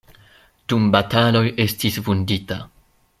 Dum bataloj estis vundita.